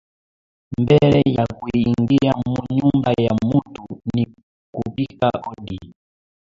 Mbele ya kuingia mu nyumba ya mutu ni kupika odi